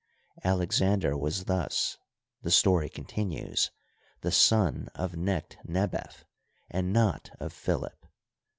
Alex ander was thus, the story continues, the son of Necht nebef, and not of Philip.